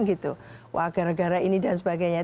gara gara ini dan sebagainya